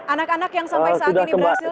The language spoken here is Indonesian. anak anak yang sampai saat ini berhasil